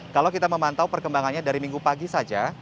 kalau kita memantau perkembangannya dari minggu pagi saja